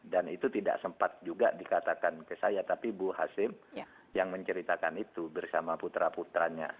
dan itu tidak sempat juga dikatakan ke saya tapi bu hashim yang menceritakan itu bersama putra putranya